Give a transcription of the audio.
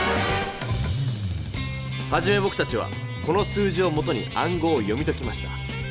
はじめぼくたちはこの数字をもとにあんごうを読みときました。